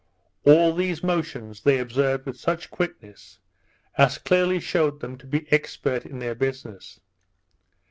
All these motions they observed with such quickness, as clearly shewed them to be expert in their business.